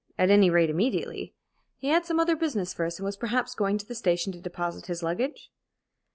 at any rate, immediately. He had some other business first, and was perhaps going to the station to deposit his luggage?